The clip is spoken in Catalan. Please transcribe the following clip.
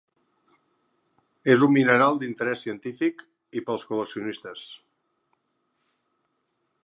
És un mineral d'interès científic i pels col·leccionistes.